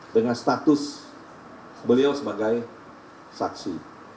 dengan status beliau sebagai saksi